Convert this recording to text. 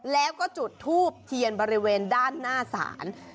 แล้วก็จุดทูบเทียนบริเวณด้านหน้าศาล